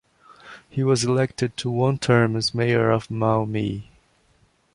He was elected to one term as mayor of Maumee.